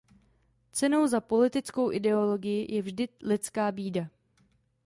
Cenou za politickou ideologii je vždy lidská bída.